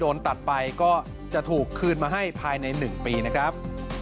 โดนตัดไปก็จะถูกคืนมาให้ภายใน๑ปีนะครับ